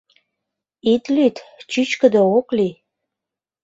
Ит лӱд: чӱчкыдӧ ок лий.